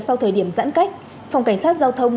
sau thời điểm giãn cách phòng cảnh sát giao thông